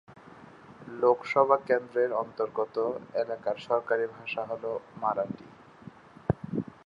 লোকসভা কেন্দ্রের অন্তর্গত এলাকার সরকারি ভাষা হল মারাঠি।